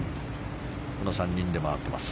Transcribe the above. この３人で回っています。